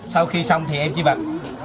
sau khi xong thì em chỉ bật